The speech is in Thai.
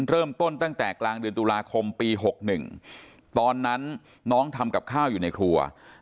เริ่มต้นตั้งแต่กลางเดือนตุลาคมปี๖๑ตอนนั้นน้องทำกับข้าวอยู่ในครัว